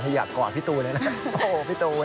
ถ้าอยากกอดพี่ตูนโอ้โฮพี่ตูน